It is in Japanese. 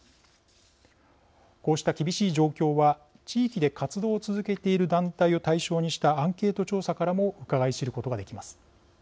こうした厳しい状況は地域で活動を続けている団体を対象にしたアンケート調査からもうかがい知ることができます。